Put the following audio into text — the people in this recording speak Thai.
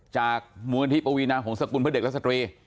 จากมวลพิปวีนาของสกุลเพื่อเด็กและสตรี